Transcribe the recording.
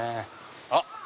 あっ！